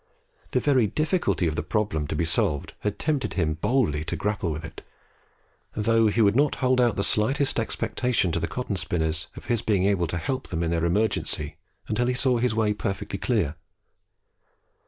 The very difficulty of the problem to be solved had tempted him boldly to grapple with it, though he would not hold out the slightest expectation to the cotton spinners of his being able to help them in their emergency until he saw his way perfectly clear.